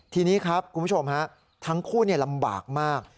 ทีนี้ครับคุณผู้ชมฮะทั้งคู่ลำบากมาก